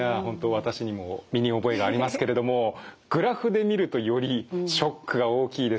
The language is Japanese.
私にも身に覚えがありますけれどもグラフで見るとよりショックが大きいですね。